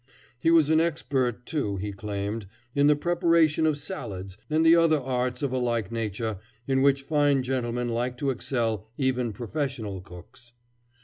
He was an expert, too, he claimed, in the preparation of salads and the other arts of a like nature in which fine gentlemen like to excel even professional cooks.